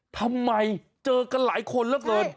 ทำไมเจอกันหลายคนเหลือเกิน